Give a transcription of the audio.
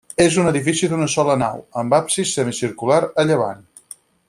És un edifici d'una sola nau, amb absis semicircular a llevant.